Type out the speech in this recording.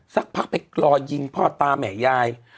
สักพักไปรอยิงพ่อตาแม่ยาย